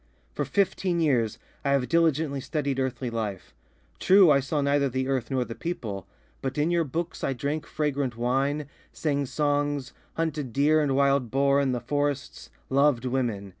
"For fifteen years I have diligently studied earthly life. True, I saw neither the earth nor the people, but in your books I drank fragrant wine, sang songs, hunted deer and wild boar in the forests, loved women...